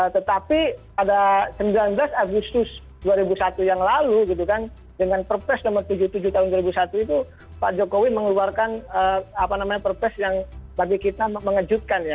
tetapi pada sembilan belas agustus dua ribu satu yang lalu dengan per press nomor tujuh puluh tujuh tahun dua ribu satu itu pak jokowi mengeluarkan per press yang bagi kita mengejutkan